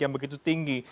yang begitu tinggi